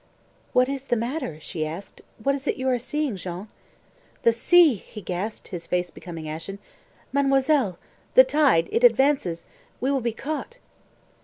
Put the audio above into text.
"What is the matter?" she asked. "What is it you are seeing, Jean?" "The sea," he gasped, his face becoming ashen. "Mademoiselle the tide it advances we will be caught."